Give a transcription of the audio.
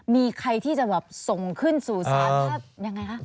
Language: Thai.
มีใครที่จะแบบส่งขึ้นสู่สาร